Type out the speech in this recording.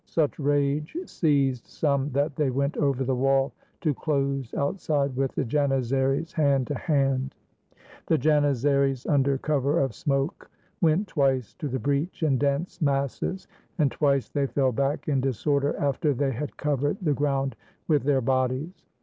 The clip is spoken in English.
Such rage seized some that they went over the wall to close outside with the Jan izaries hand to hand. 136 THE SURRENDER OF KAMENYETZ The Janizaries, under cover of smoke, went twice to the breach in dense masses; and twice they fell back in disorder after they had covered the ground with their bodies.